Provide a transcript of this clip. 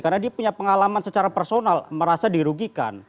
karena dia punya pengalaman secara personal merasa dirugikan